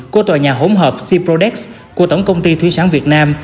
của tòa nhà hỗn hợp syrodex của tổng công ty thúy sáng việt nam